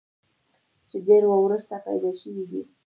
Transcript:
چې ډېر وروستو پېدا شوی دی